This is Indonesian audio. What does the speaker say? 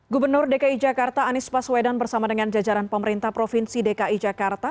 gubernur dki jakarta anies baswedan bersama dengan jajaran pemerintah provinsi dki jakarta